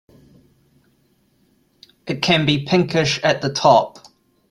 It can be pinkish at the top.